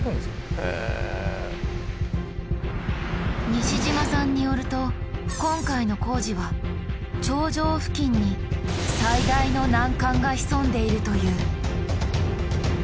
西島さんによると今回の工事は頂上付近に最大の難関が潜んでいるという。